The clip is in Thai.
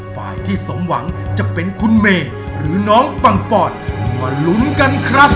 ฝ่ายที่สมหวังจะเป็นคุณเมย์หรือน้องปังปอนมาลุ้นกันครับ